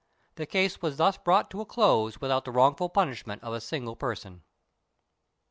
The case was thus brought to a close without the wrongful punishment of a single person.